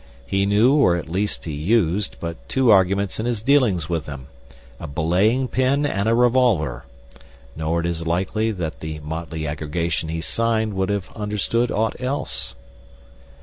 He knew, or at least he used, but two arguments in his dealings with them—a belaying pin and a revolver—nor is it likely that the motley aggregation he signed would have understood aught else.